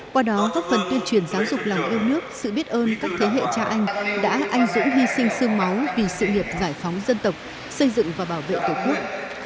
qua đó góp phần tuyên truyền giáo dục lòng yêu nước sự biết ơn các thế hệ cha anh đã anh dũng hy sinh sương máu vì sự nghiệp giải phóng dân tộc xây dựng và bảo vệ tổ quốc